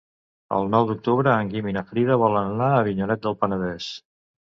El nou d'octubre en Guim i na Frida volen anar a Avinyonet del Penedès.